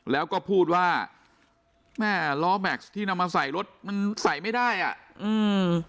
แล้วก็พูดว่าแม่ล้อแม็กซ์ที่นำมาใส่รถมันใส่ไม่ได้อ่ะอืม